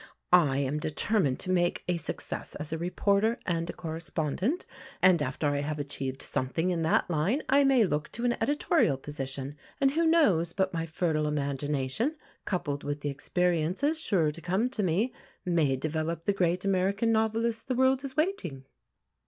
"I am determined to make a success as a reporter and a correspondent, and after I have achieved something in that line I may look to an editorial position; and who knows but my fertile imagination, coupled with the experiences sure to come to me, may develop the great American novelist the world is waiting?"